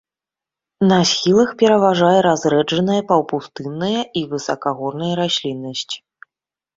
На схілах пераважае разрэджаная паўпустынная і высакагорная расліннасць.